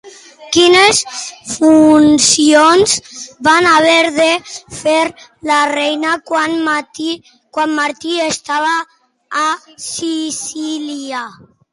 Quines funcions va haver de fer la reina quan Martí estava a Sicília?